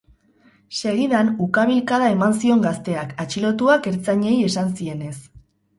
Segidan ukabilkada eman zion gazteak, atxilotuak ertzainei esan zienez.